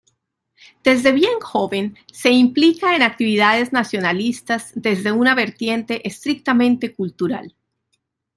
Desde bien joven se implica en actividades nacionalistas desde una vertiente estrictamente cultural.